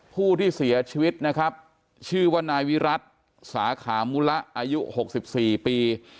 ผู้ที่เสียชีวิตนะครับชื่อว่านายวิรัติสาขามุระอายุ๖๔ปี